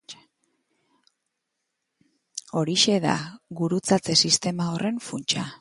Horixe da gurutzatze-sistema horren funtsa.